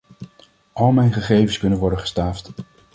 Al mijn gegevens kunnen worden gestaafd.